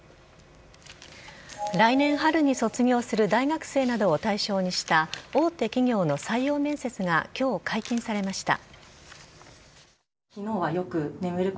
来年春に卒業する大学生などを対象にした大手企業の採用面接が今日、解禁されました。